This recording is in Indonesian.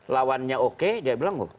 lawannya oke dia bilang